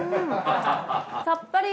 さっぱり。